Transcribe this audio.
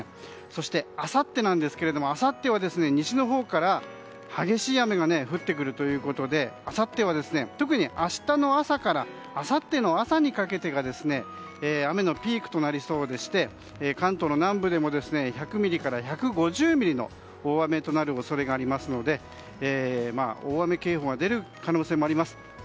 そして、あさっては西のほうから激しい雨が降ってくるということで特に明日の朝からあさっての朝にかけて雨のピークとなりそうでして関東の南部でも１００ミリから１５０ミリの大雨となる恐れがありますので大雨警報が出る可能性もあります。